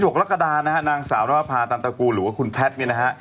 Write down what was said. กรกฎานะฮะนางสาวนรภาตันตระกูลหรือว่าคุณแพทย์เนี่ยนะฮะ